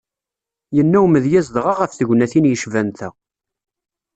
Yenna umedyaz dɣa ɣef tegnatin yecban ta.